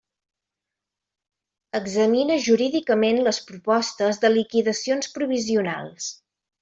Examina jurídicament les propostes de liquidacions provisionals.